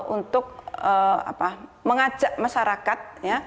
untuk mengajak masyarakat